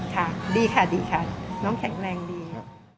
ค่ะดีค่ะดีค่ะน้องแข็งแรงดี